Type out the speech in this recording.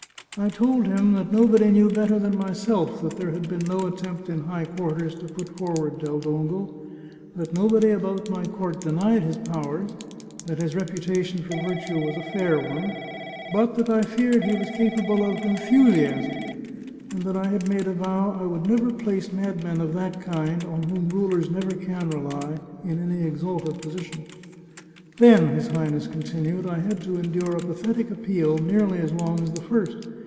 I told him that nobody knew better than myself that there had been no attempt in high quarters to put forward Del Dongo, that nobody about my court denied his powers, that his reputation for virtue was a fair one, but that I feared he was capable of enthusiasm, and that I had made a vow I 192 The Chartreuse of Parma would never place madmen of that kind, on whom rulers never can rely, in any exalted position. Then,' his Highness continued, ' I had to endure a pathetic appeal nearly as long as the first.